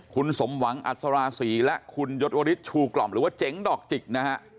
คุณสมหวังอัศราศีและคุณยศวริชชูกล่อมหรือว่าเจ๋งดอกจิกนะฮะ